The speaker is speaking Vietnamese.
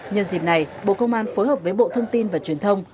nhân dịp này bộ công an phối hợp với bộ thông tin và truyền thông